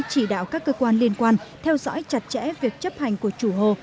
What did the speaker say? chỉ đạo các cơ quan liên quan theo dõi chặt chẽ việc chấp hành của chủ hồ